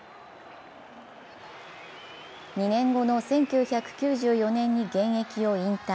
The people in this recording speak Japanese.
２年後の１９９４年に現役を引退。